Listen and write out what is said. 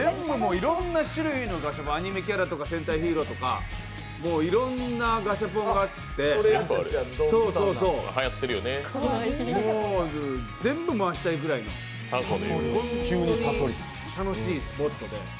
いろんな種類のガシャポン、アニメキャラとか戦隊ヒーローとか、いろんなガシャポンがあってもう全部回したいぐらいの本当に楽しいスポットで。